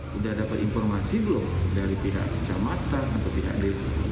sudah dapat informasi belum dari pihak kecamatan atau pihak desa